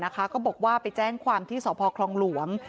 ก็บอกว่าไปแจ้งความที่สพคลองหลวง